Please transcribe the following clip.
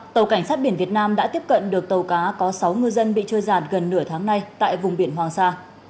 tàu cảnh sát biển việt nam đã tiếp cận được tàu cá có sáu ngư dân bị trôi giạt gần nửa tháng nay tại vùng biển hoàng sa